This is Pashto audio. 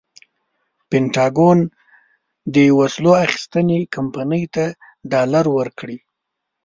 پنټاګون د وسلو اخیستنې کمپنۍ ته ډالر ورکړي.